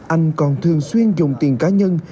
anh còn thường xuyên dùng tiền cá nhân